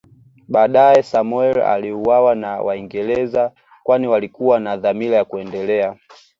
Baadae Samoei aliuawa na Waingereza kwani walikuwa na dhamira ya kuendelea